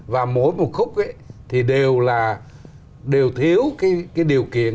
và mỗi một khúc ấy thì đều là đều thiếu cái điều kiện